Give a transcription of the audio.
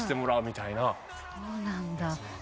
そうなんだ。